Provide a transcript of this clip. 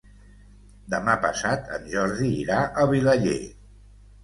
Demà passat en Jordi irà a Vilaller.